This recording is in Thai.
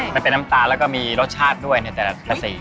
มันเป็นน้ำตาลแล้วก็มีรสชาติด้วยในแต่ละสี